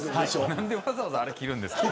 何でわざわざあれ着るんですか。